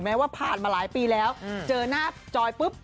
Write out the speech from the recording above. ว่าผ่านมาหลายปีแล้วเจอหน้าจอยปุ๊บ